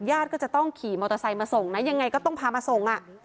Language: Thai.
ก็จะต้องขี่มอเตอร์ไซค์มาส่งนะยังไงก็ต้องพามาส่ง